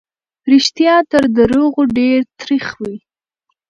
رښتيا تر دروغو ډېر تريخ وي.